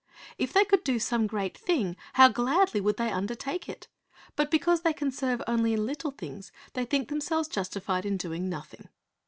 If they could do some great thing, how gladly would they undertake it; but because they can serve only in little things, they think themselves justified in doing nothing.